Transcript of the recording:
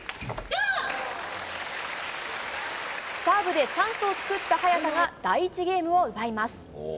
サーブでチャンスを作った早田が第１ゲームを奪います。